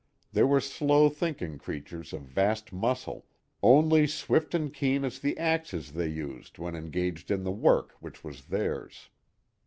They were slow thinking creatures of vast muscle, only swift and keen as the axes they used when engaged in the work which was theirs.